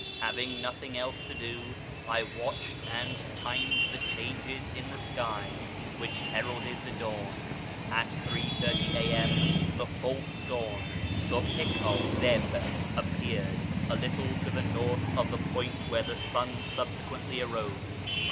Having nothing else to do, I watched and timed the changes in the sky which heralded the dawn. At 3.30 a.m. the "False Dawn" {Sitbh i Kdzih) ap peared, a little to the north of the point whence the sun subsequently arose.